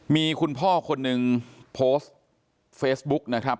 มีคุณพ่อคนหนึ่งโพสต์เฟซบุ๊กนะครับ